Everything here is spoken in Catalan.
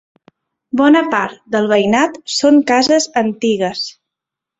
Bona part del veïnat són cases antigues.